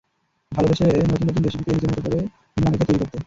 ভালোবাসেন নতুন নতুন রেসিপিকে নিজের মতো করে ভিন্ন আঙ্গিকে তৈরি করতে।